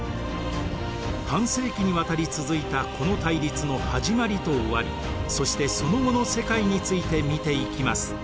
半世紀にわたり続いたこの対立の始まりと終わりそしてその後の世界について見ていきます。